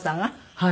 はい。